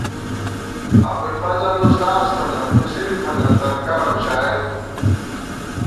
ابُوالفضل اُستاذ تھنہ، مسری تھنہ ، ترکاݨ اؤ شاعر تھنہ